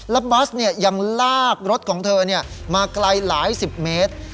แล้วบัสยังลากรถของเธอมาไกลหลายสิบเมตร